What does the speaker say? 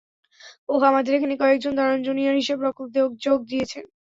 ওহ, আমাদের এখানে কয়েকজন দারুন জুনিয়র হিসাবরক্ষক যোগ দিয়েছেন।